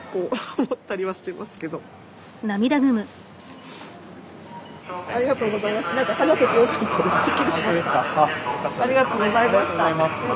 ありがとうございます。